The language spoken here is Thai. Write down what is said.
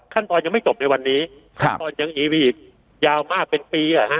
ตอนยังไม่จบในวันนี้ขั้นตอนยังอีวีปยาวมากเป็นปีอ่ะฮะ